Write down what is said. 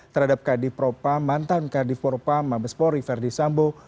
terhadap kadif propa mantan kadif propa mabespori verdi sambo